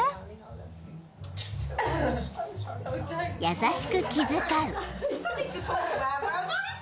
［優しく気遣う］